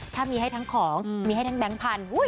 ถ้ามีให้ทั้งของมีให้ทั้งแบงค์พันธุ์